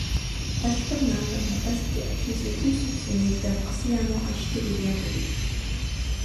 Ashburnham n'a pas été accusé ou soupçonné d'avoir sciemment acheté les biens volés.